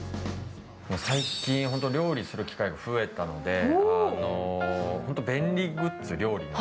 最近、料理する機会が増えたので料理の便利グッズを。